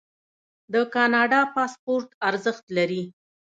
د کاناډا پاسپورت ارزښت لري.